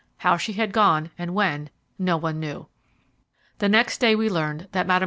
How she had gone, and when, no one knew. The next day we learned that Mme.